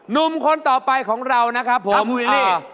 นุ่มคนต่อไปของเรานะครับครับวูวิวิมิต